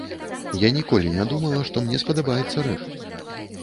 Я ніколі не думала, што мне спадабаецца рэп.